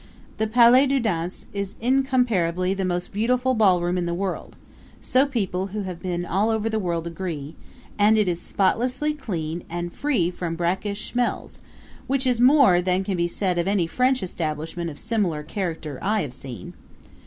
The Palais du Danse is incomparably the most beautiful ballroom in the world so people who have been all over the world agree and it is spotlessly clean and free from brackish smells, which is more than can be said of any French establishment of similar character I have seen.